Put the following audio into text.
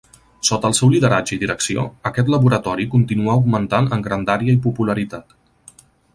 Sota el seu lideratge i direcció, aquest laboratori continuà augmentant en grandària i popularitat.